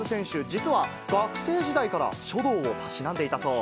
実は学生時代から書道をたしなんでいたそう。